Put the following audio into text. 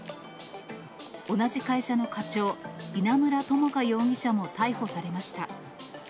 同じ会社の課長、稲村知香容疑者も逮捕されました。